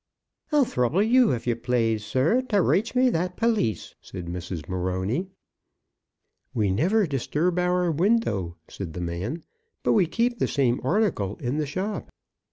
"I'll throuble you, if you plaze, sir, to raich me that pelisse," said Mrs. Morony. "We never disturb our window," said the man, "but we keep the same article in the shop."